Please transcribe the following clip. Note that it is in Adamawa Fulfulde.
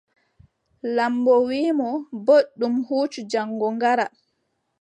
Laamɓo wii mo: booɗɗum huucu jaŋgo ngara.